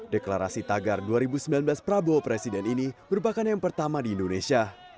deklarasi tagar dua ribu sembilan belas prabowo presiden ini merupakan yang pertama di indonesia